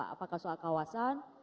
apakah soal kawasan